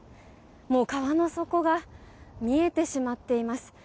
川の底が見えてしまっています。